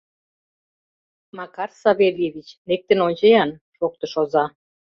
— Макар Савельевич, лектын ончо-ян, — шоктыш оза.